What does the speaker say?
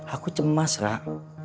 aku cemas rak